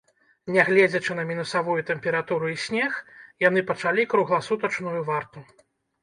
Нягледзячы на мінусавую тэмпературу і снег, яны пачалі кругласутачную варту.